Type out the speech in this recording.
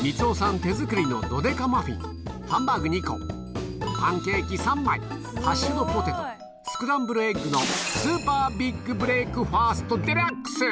手作りのドデカマフィン、ハンバーグ２個、パンケーキ３枚、ハッシュドポテト、スクランブルエッグのスーパー・ビッグ・ブレックファスト・デラックス。